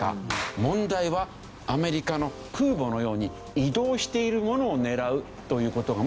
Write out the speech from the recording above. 問題はアメリカの空母のように移動しているものを狙うという事がまだできない。